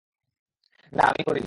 না, আমি করিনি।